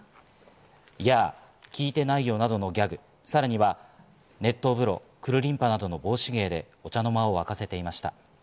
や！、聞いてないよ、などのギャグさらには、熱湯風呂、くるりんぱなどの帽子芸でお茶の間を沸かせていました。